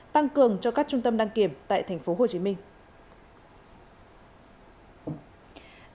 tăng cường cho các trung tâm đăng kiểm tại thành phố hồ chí minh